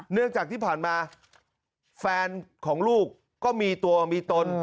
เนื่องจากที่ผ่านมาแฟนของลูกก็มีตัวมีตน